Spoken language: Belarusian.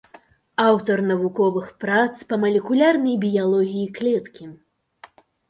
Аўтар навуковых прац па малекулярнай біялогіі клеткі.